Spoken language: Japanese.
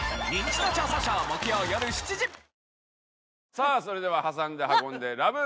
さあそれでは挟んで運んでＬＯＶＥ